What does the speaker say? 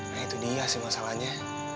nah itu dia sih masalahnya